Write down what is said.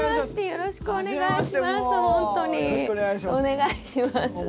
よろしくお願いします。